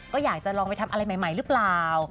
ก็อยากจะลองไปทำอะไรใหม่หรือเปล่า